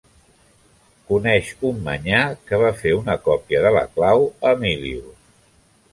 Coneix un manyà que va fer una còpia de la clau a Emilius.